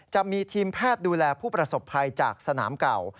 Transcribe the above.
จะมีทีมแพทย์ดูแลผู้ประสบภัยจากสนามเก่า